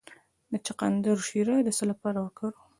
د چغندر شیره د څه لپاره وکاروم؟